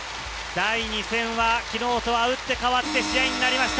第２戦は昨日とは打って変わっての試合になりました。